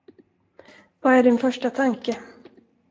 Vad är din första tanke?